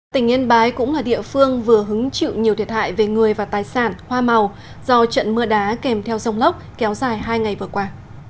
tỉnh yên bái cũng là địa phương vừa hứng chịu nhiều thiệt hại về người và tài sản hoa màu do trận mưa đá kèm theo sông lốc kéo dài hai ngày vừa qua